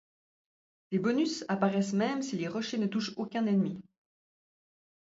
Ces bonus apparaissent même si les rochers ne touchent aucun ennemi.